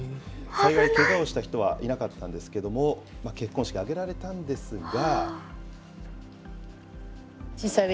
幸いけがをした人は、いなかったんですけれども、結婚式、挙げられたんですが。